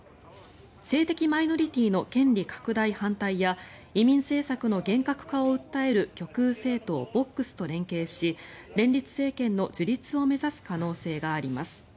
性的マイノリティーの権利拡大反対や移民政策の厳格化を訴える極右政党・ボックスと連携し連立政権の樹立を目指す可能性があります。